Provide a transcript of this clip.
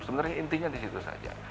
sebenarnya intinya di situ saja